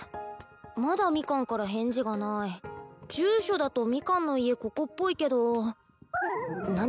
まだミカンから返事がない住所だとミカンの家ここっぽいけど何？